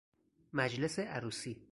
مجلس عروسی